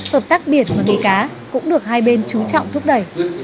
hợp tác biển và nghề cá cũng được hai bên chú trọng thúc đẩy